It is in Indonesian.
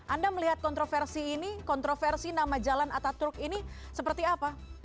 anda melihat kontroversi ini kontroversi nama jalan ataturk ini seperti apa